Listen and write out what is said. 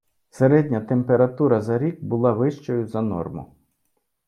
Середня температура за рік була вищою за норму.